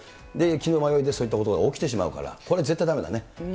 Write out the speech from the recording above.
気の迷いでそういったことが起きてしまうから、これ、絶対だめだね。